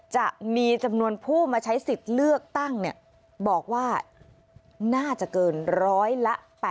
จะมีจำนวนผู้มาใช้สิทธิ์เลือกตั้งบอกว่าน่าจะเกินร้อยละ๘๐